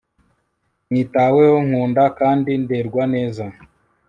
nitaweho, nkunda, kandi nderwa neza